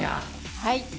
はい。